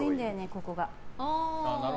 ここが。